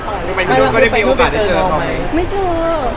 ทำไมทั่วมูลวันนี้นายให้เจอฉัน